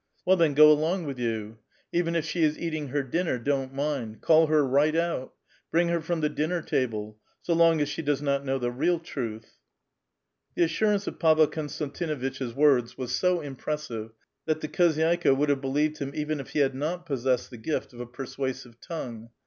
" Well then, go along with j'ou ! Even if she is eating her dinner, don't mind ; call her right out ! Bring her from the dinner table ! so long as she does not know the real truth." The assurance of Pavel Konstantinuitch's words was so impressive that the khozydtka would have believed him even if he had not possessed the gift of a persuasive tongue.